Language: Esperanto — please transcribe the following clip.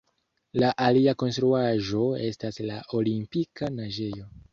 La alia konstruaĵo estas la Olimpika naĝejo.